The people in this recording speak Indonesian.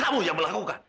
kamu yang melakukan ini